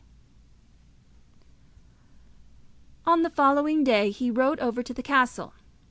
G. On the following day he rode over to the castle.